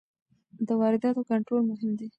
د وارداتو کنټرول مهم دی.